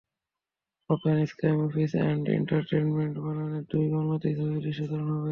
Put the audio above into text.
Open sky movies and এন্টারটেইনমেন্টের ব্যানারে দুই বাংলাতেই ছবির দৃশ্যধারণ হবে।